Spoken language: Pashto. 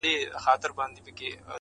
او بل زما وړه موسکا چي څوک په زړه وچيچي_